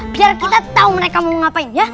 biar kita tahu mereka mau ngapain ya